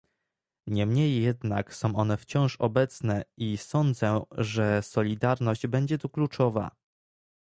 Niemniej jednak są one wciąż obecne i sądzę, że solidarność będzie tu kluczowa